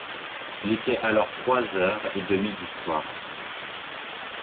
Il était alors trois heures et demie du soir.